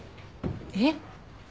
えっ？